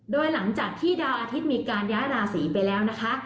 โดยหลังจากที่ดาวอาทิตย์มีการย้ายราศีไปแล้วนะคะ